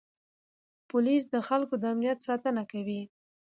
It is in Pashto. پولیس د خلکو د امنیت ساتنه کوي.